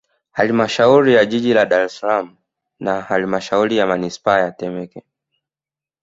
Halmashauri ya Jiji la Dar es Salaam na Halmashauri ya Manispaa ya Temeke